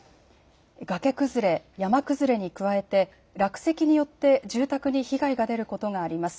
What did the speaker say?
崖崩れ、山崩れに加えて落石によって住宅に被害が出ることがあります。